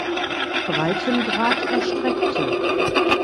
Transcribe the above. Breitengrad erstreckte.